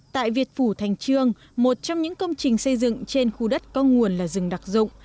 tại việt phủ thành trương một trong những công trình xây dựng trên khu đất có nguồn là rừng đặc dụng